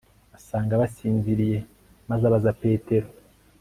asanga basinziriye maze abaza petero